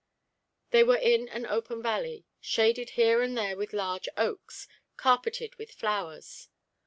They were in an open valley, shaded here and there with large oaks, carpeted with flowers.